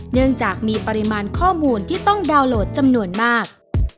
เนื่องจากมีปริมาณข้อมูลที่ต้องดาวน์โหลดจำนวนมาก